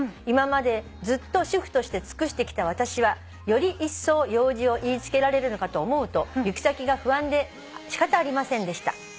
「今までずっと主婦として尽くしてきた私はよりいっそう用事を言い付けられるのかと思うと行き先が不安で仕方ありませんでした」